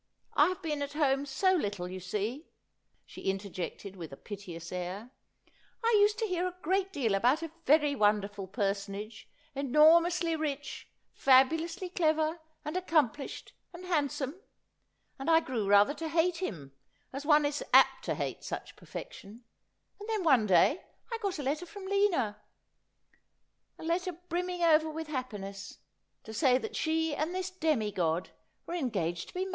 I have been at home so little, you see,' she interjected with a piteous air. ' I used to hear a great deal about a very wonderful personage, enormously rich, fabulously clever, and accomplished, and handsome ; and I grew rather to hate him, as one is apt to hate such perfection ; and then one day I got a letter from Lina — a letter brimming over with happiness — to say that she and this demigod were engaged to be 70 Asphodel.